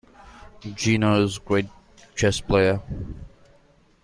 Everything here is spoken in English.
Gina is a great chess player.